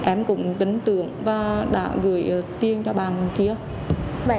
em cũng tấn tượng và đã gửi tiền cho bà kia